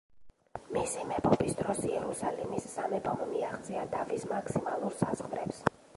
მისი მეფობის დროს იერუსალიმის სამეფომ მიაღწია თავის მაქსიმალურ საზღვრებს.